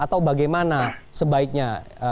atau bagaimana sebaiknya